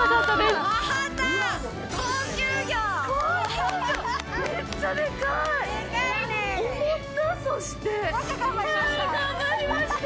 よく頑張りました！